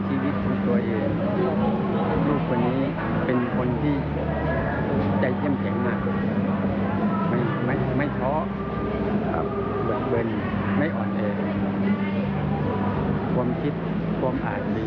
ความคิดความอ้านบีมาก